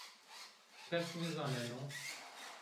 Kes nêzaneno.